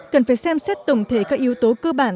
cần phải xem xét tổng thể các yếu tố cơ bản